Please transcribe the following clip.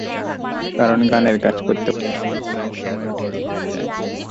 কারণ, গানের কাজ করতে করতে আমার প্রায় সময়ই ভোর হয়ে যায়।